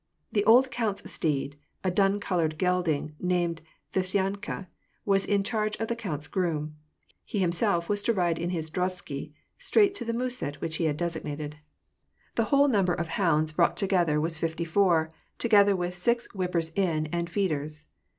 The old count's steed, a dun colored gelding, named Viflyanka, was in charge of the count's groom : he himself was to ride in his drozhsky straight to the muset which he had designated. WAR AND PEACE. 268 The whole number of hounds brought together was fifty four, together with six whippers in and feeders.